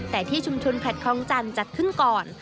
แต่ที่ชุมชนแผดคลองจันทร์จัดขึ้นก่อน